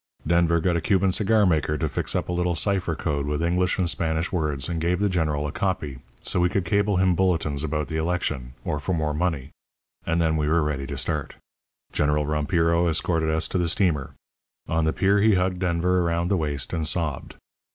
_' "Denver got a Cuban cigar maker to fix up a little cipher code with English and Spanish words, and gave the General a copy, so we could cable him bulletins about the election, or for more money, and then we were ready to start. General Rompiro escorted us to the steamer. On the pier he hugged Denver around the waist and sobbed.